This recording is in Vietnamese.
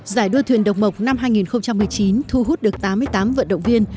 giải đua thuyền độc mộc năm hai nghìn một mươi chín thu hút được tám mươi tám vận động viên